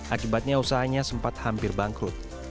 akibatnya usahanya sempat hampir bangkrut